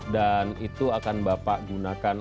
dan itu akan bapak gunakan